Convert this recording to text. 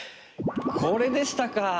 これでしたか。